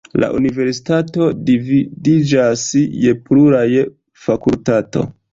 La universitato dividiĝas je pluraj fakultato.